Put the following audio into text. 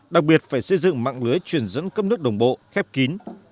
đặc biệt phải xây dựng mạng lưới truyền dẫn cấp nước đồng bộ khép kín